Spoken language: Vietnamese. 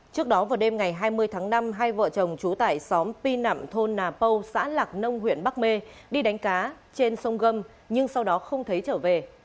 trước đó vào đêm ngày hai mươi tháng năm hai vợ chồng trú tại xóm py nậm thôn nà pâu xã lạc nông huyện bắc mê đi đánh cá trên sông gâm nhưng sau đó không thấy trở về